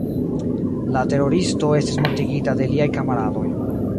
La teroristo estis mortigita de liaj kamaradoj.